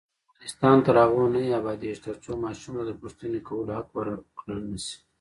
افغانستان تر هغو نه ابادیږي، ترڅو ماشوم ته د پوښتنې کولو حق ورکړل نشي.